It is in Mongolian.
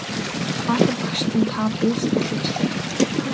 Баатар багштан та бүү сэтгэлээ чилээ!